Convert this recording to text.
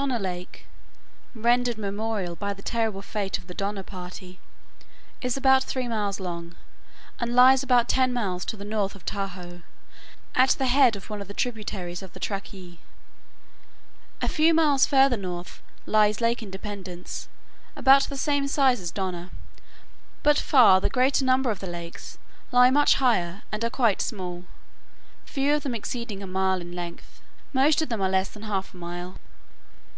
Donner Lake, rendered memorable by the terrible fate of the Donner party, is about three miles long, and lies about ten miles to the north of Tahoe, at the head of one of the tributaries of the Truckee. A few miles farther north lies Lake Independence, about the same size as Donner. But far the greater number of the lakes lie much higher and are quite small, few of them exceeding a mile in length, most of them less than half a mile.